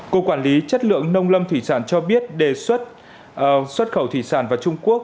cục quản lý chất lượng nông lâm thủy sản cho biết đề xuất xuất khẩu thủy sản vào trung quốc